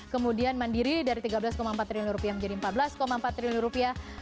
kemudian mandiri dari tiga belas empat triliun rupiah menjadi empat belas empat triliun rupiah